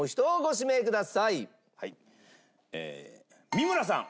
三村さん。